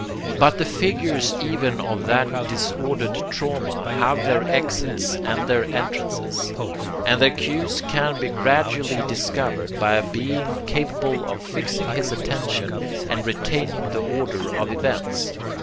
...[But] the figures even of that disordered drama have their exits and their entrances; and their cues can be gradually discovered by a being capable of fixing his attention and retaining the order of events.